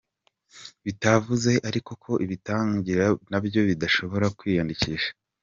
Bitavuze ariko ko ibitaratangira nabyo bidashobora kwiyandisha.